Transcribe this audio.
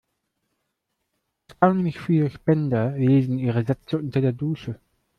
Erstaunlich viele Spender lesen ihre Sätze unter der Dusche.